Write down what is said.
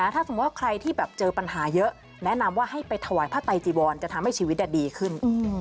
ถ้าสมมุติว่าใครที่แบบเจอปัญหาเยอะแนะนำว่าให้ไปถวายพระไตจีวรจะทำให้ชีวิตดีขึ้น